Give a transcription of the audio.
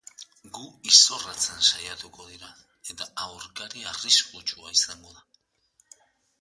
Gu izorratzen saiatuko dira eta aurkari arriskutsua izango da.